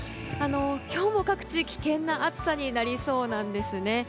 今日も各地、危険な暑さになりそうなんですね。